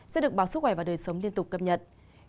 sẽ được báo sức khỏe và đời sống liên tục cập nhật